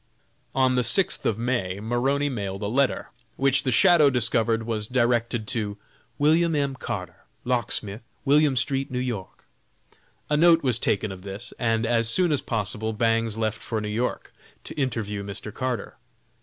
On the sixth of May, Maroney mailed a letter, which the "shadow" discovered was directed to "William M. Carter, Locksmith, William st., N. Y." A note was taken of this, and as soon as possible Bangs left for New York, to interview Mr. Carter.